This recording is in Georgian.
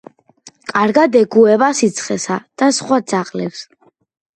კარგად ეგუება სიცხეს და სხვა ძაღლებს.